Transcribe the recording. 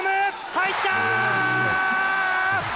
入った！